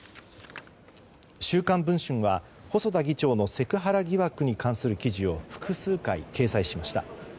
「週刊文春」は細田議長のセクハラ疑惑に関する記事を複数回、掲載しました。